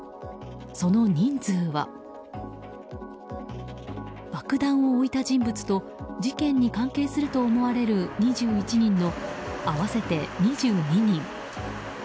その人数は、爆弾を置いた人物と事件に関係すると思われる２１人の合わせて２２人。